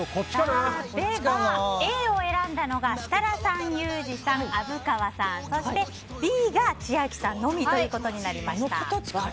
Ａを選んだのが設楽さん、ユージさん、虻川さんそしてＢが千秋さんのみになりました。